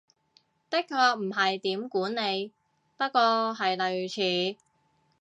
的確唔係點管理，不過係類似